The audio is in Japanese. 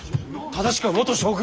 正しくは元将軍。